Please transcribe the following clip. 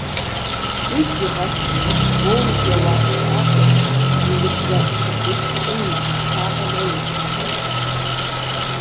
Уигу игъэлъ: уэ ужэуаптакӏуэщ уи ныбжьэгъу лъакъуиплӏым и узыншагъэмрэ и гъащӏэмрэкӏэ.